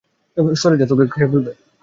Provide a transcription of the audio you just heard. সরে যা, তোকে ফেলবে!